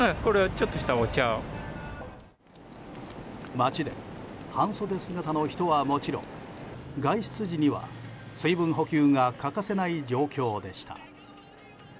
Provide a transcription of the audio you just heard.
街でも半袖姿の人はもちろん外出時には水分補給が欠かせない状況でした。